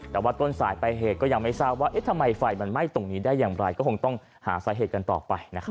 แต่ว่าต้นสายไปเหตุก็ยังไม่ทราบว่าทำไมไฟมันไหม้ตรงนี้ได้อย่างไรก็คงต้องหาสาเหตุกันต่อไปนะครับ